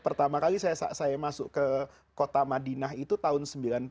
pertama kali saya masuk ke kota madinah itu tahun sembilan puluh dua